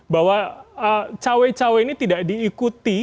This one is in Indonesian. bahwa cewek cewek ini tidak diikuti